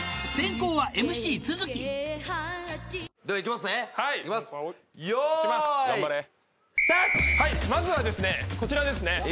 用意はいまずはですねこちらですね